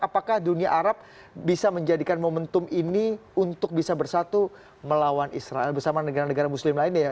apakah dunia arab bisa menjadikan momentum ini untuk bisa bersatu melawan israel bersama negara negara muslim lainnya ya